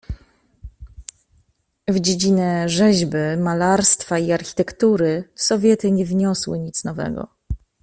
"W dziedzinę rzeźby, malarstwa i architektury Sowiety nie wniosły nic nowego."